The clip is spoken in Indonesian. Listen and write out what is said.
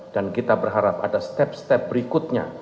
dan kita berharap ada step step berikutnya